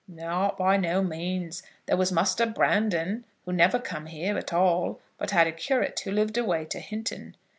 "Not by no means. There was Muster Brandon, who never come here at all, but had a curate who lived away to Hinton.